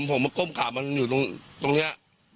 ผมก้มกลับมันอยู่ตรงเนี่ย